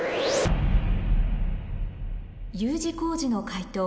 Ｕ字工事の解答